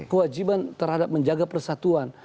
kewajiban terhadap menjaga persatuan